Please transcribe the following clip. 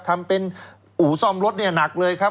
ทำเป็นอู่ซ่อมรถเนี่ยหนักเลยครับ